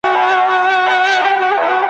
خړي وریځي به رخصت سي نور به نه وي توپانونه ,